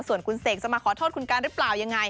ส่วนคุณเสกจะมาขอโทษคุณการหรือเปล่ายังไง